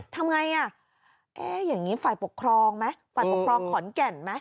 ทำไงอ่ะเอ๊ะอย่างนี้ฝ่ายปกครองไหมฝ่ายปกครองขอนแก่นไหม